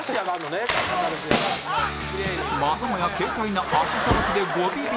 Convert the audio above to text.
またもや軽快な足さばきで５ビビリ目